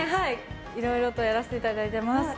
いろいろとやらせていただいています。